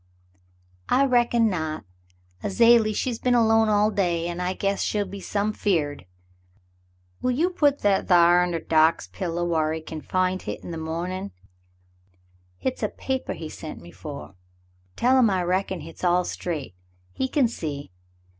"I reckon not. Azalie, she's been alone all day, an' I guess she'll be some 'feared. Will you put that thar under doc's pillow whar he kin find hit in the mawnin' ? Hit's 188 The Mountain Girl a papah he sont me fer. Tell 'im I reckon hit's all straight. He kin see.